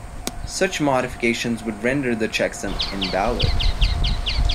Such modification would render the checksum invalid.